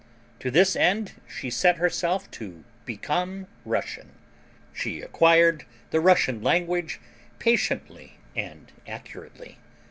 To this end she set herself to become Russian. She acquired the Russian language patiently and accurately.